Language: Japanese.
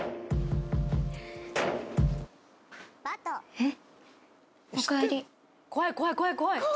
えっ？